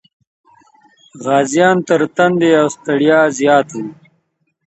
غازيان تر تندې او ستړیا زیات و.